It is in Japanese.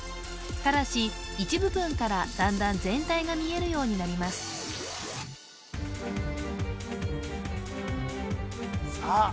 ただし一部分からだんだん全体が見えるようになりますさあ